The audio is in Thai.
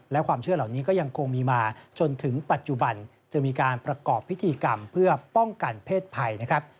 และความเชื่อเหล่านี้ก็ยังคงมีมาจนถึงปัจจุบันจะมีการประกอบพิธีกรรมเพื่อป้องกันเพศภัยนะครับ